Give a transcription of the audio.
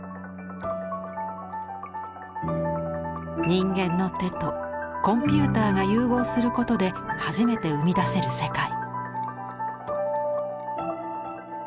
人間の手とコンピューターが融合することで初めて生み出せる世界。